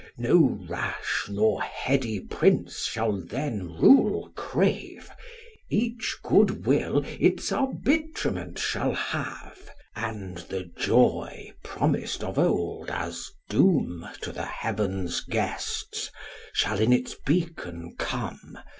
No rash nor heady prince shall then rule crave, Each good will its arbitrement shall have; And the joy, promised of old as doom To the heaven's guests, shall in its beacon come.